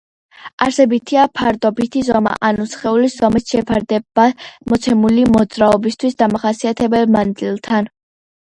არსებითია ფარდობითი ზომა, ანუ სხეულის ზომის შეფარდება მოცემული მოძრაობისთვის დამახასიათებელ მანძილთან.